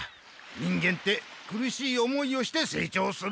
人間って苦しい思いをして成長するんだ。